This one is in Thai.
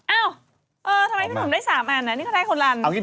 เอาทำไมแบบนี้ผมได้๓อันนี่เขาได้คนรัน